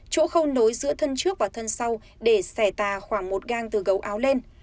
chỗ không nối giữa thân trước và thân sau để xẻ tà khoảng một gang từ gấu áo lên